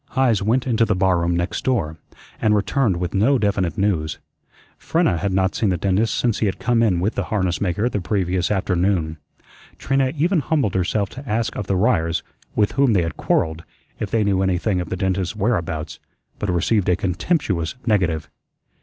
Heise went into the barroom next door, and returned with no definite news. Frenna had not seen the dentist since he had come in with the harness maker the previous afternoon. Trina even humbled herself to ask of the Ryers with whom they had quarrelled if they knew anything of the dentist's whereabouts, but received a contemptuous negative.